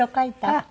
あっ！